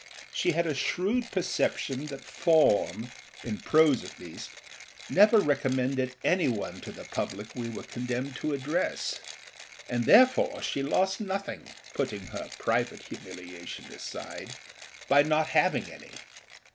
She had a shrewd perception that form, in prose at least, never recommended any one to the public we were condemned to address, and therefore she lost nothing (putting her private humiliation aside) by not having any.